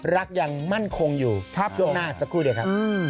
หักอย่างมั่นคงอยู่ช่วงหน้าสักครู่แดียฮะ